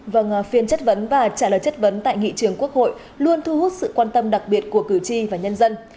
vâng phiên chất vấn và trả lời chất vấn tại nghị trường quốc hội luôn thu hút sự quan tâm đặc biệt của cử tri và nhân dân